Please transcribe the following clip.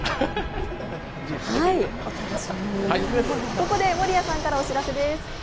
ここで守屋さんからお知らせです。